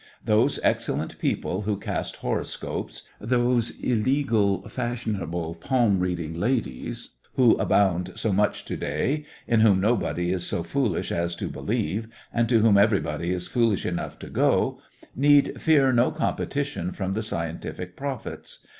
Those excellent people who cast horoscopes, those illegal fashionable palm reading ladies who abound so much to day, in whom nobody is so foolish as to believe, and to whom everybody is foolish enough to go, need fear no competition from the scientific prophets.